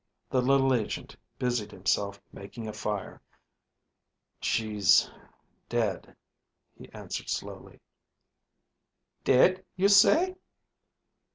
The little agent busied himself making a fire. "She's dead," he answered slowly. "Dead, you say?"